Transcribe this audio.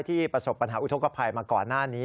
ประสบปัญหาอุทธกภัยมาก่อนหน้านี้